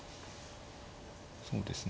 そうですね